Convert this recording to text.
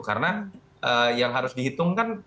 karena yang harus dihitungkan